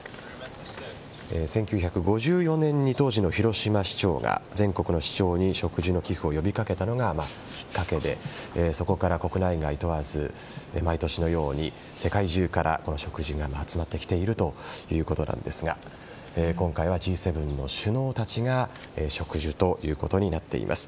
１９５４年に当時の広島市長が全国の市長に植樹の寄付を呼び掛けたのがきっかけでそこから国内外問わず毎年のように世界中から植樹が集まってきているということなんですが今回はＧ７の首脳たちが植樹ということになっています。